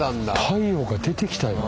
太陽が出てきたよ